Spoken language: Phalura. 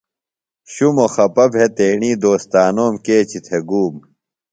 شُمو خپہ بھےۡ تیݨی دوستانوم کیچیۡ تھےۡ گوم۔